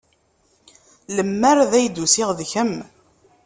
Lemmer d ay d-usiɣ d kemm.